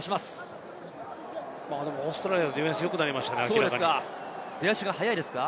オーストラリアのディフェンスも明らかによくなりましたね。